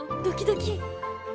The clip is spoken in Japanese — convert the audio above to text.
ドキドキ。